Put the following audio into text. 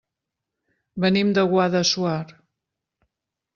Venim de Guadassuar.